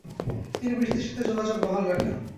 তিনি ব্রিটিশদের সাথে যোগাযোগ বহাল রাখেন।